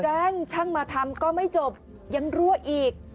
แจ้งช่างมาทำก็ไม่จบยังรั่วอีก